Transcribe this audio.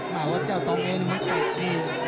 แม่ว่าเจ้าตรงเองมันก็